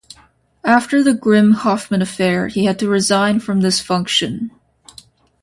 After the Grimm-Hoffmann Affair he had to resign from this function.